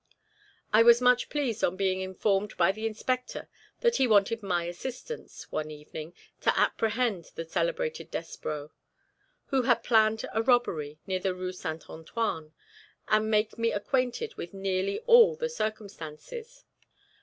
I was much pleased on being informed by the inspector that he wanted my assistance, one evening, to apprehend the celebrated Despreau, who had planned a robbery near the Rue St. Antoine, and make me acquainted with nearly all the circumstances.